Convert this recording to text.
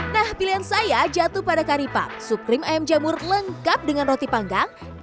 nah pilihan saya jatuh pada curry pub sup krim ayam jamur lengkap dengan roti panggang